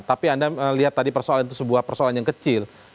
tapi anda melihat tadi persoalan itu sebuah persoalan yang kecil